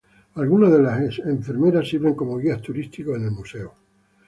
Algunas de las ex-enfermeras sirven como guías turísticos en el museo.